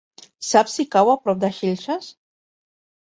Saps si cau a prop de Xilxes?